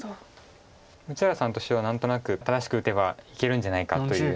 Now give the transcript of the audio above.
六浦さんとしては何となく正しく打てばいけるんじゃないかというような。